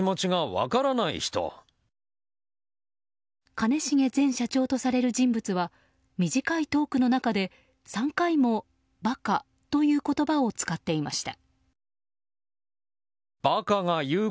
兼重前社長とされる人物は短いトークの中で３回もバカという言葉を使っていました。